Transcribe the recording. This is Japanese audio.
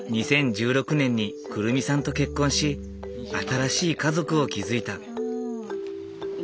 ２０１６年に来未さんと結婚し新しい家族を築いた。